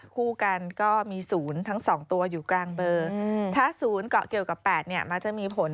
คู่กันก็มีศูนย์ทั้งสองตัวอยู่กลางเบอร์